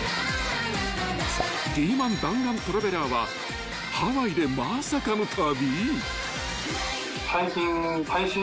［リーマン弾丸トラベラーはハワイでまさかの旅］